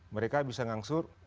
mereka bisa mengangsur